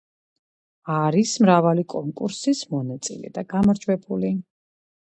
არის მრავალი კონკურსის მონაწილე და გამარჯვებული.